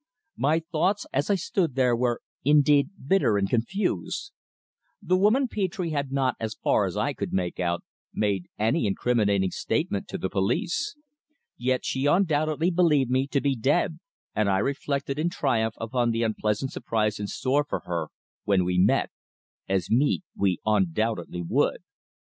My thoughts, as I stood there, were, indeed, bitter and confused. The woman Petre had not, as far as I could make out, made any incriminating statement to the police. Yet she undoubtedly believed me to be dead, and I reflected in triumph upon the unpleasant surprise in store for her when we met as meet we undoubtedly would.